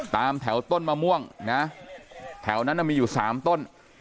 ตามแถวต้นมะม่วงนะแถวนั้นมีอยู่๓ต้น